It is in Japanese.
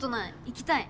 行きたい。